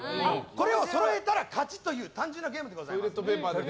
これをそろえたら勝ちという単純なゲームでございます。